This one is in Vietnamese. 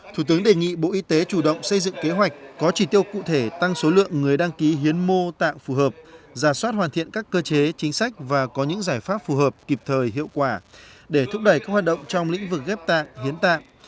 thủ tướng đề nghị bộ y tế chủ động xây dựng kế hoạch có chỉ tiêu cụ thể tăng số lượng người đăng ký hiến mô tạng phù hợp giả soát hoàn thiện các cơ chế chính sách và có những giải pháp phù hợp kịp thời hiệu quả để thúc đẩy các hoạt động trong lĩnh vực ghép tạng hiến tạng